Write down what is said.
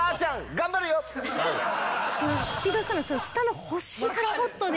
「スピードスター」のその下の星がちょっとね。